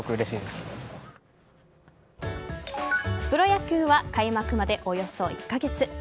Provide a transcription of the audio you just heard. プロ野球は開幕までおよそ１カ月。